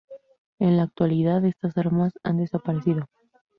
En la actualidad estas armas han desaparecido.